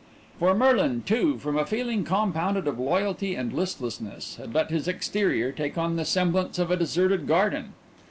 For Merlin too, from a feeling compounded of loyalty and listlessness, had let his exterior take on the semblance of a deserted garden.